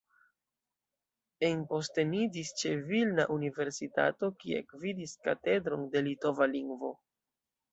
Enposteniĝis ĉe Vilna Universitato, kie gvidis Katedron de Litova Lingvo.